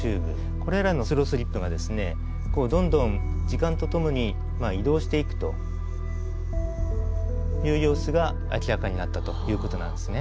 これらのスロースリップがどんどん時間とともに移動していくという様子が明らかになったという事なんですね。